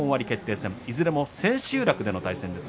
戦いずれも千秋楽での対戦です。